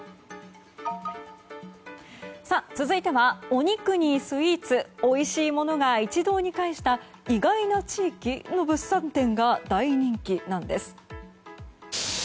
続いては、お肉にスイーツおいしいものが一堂に会した意外な地域の物産展が大人気なんです。